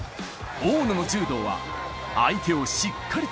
大野の柔道は、相手をしっか一本！